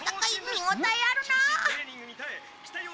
見応えあるなあ。